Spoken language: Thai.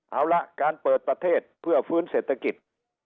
เอาละการเปิดประเทศเพื่อฟื้นเศรษฐกิจ